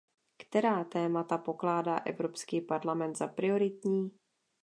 Která témata pokládá Evropský parlament za prioritní?